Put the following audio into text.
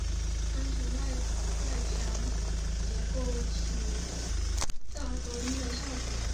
双层的外墙结构起到隔音的效果。